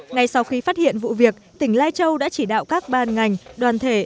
ngay sau khi phát hiện vụ việc tỉnh lai châu đã chỉ đạo các ban ngành đoàn thể